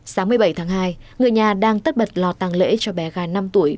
sáng một mươi bảy tháng hai người nhà đang tất bật lo tăng lễ cho bé gái năm tuổi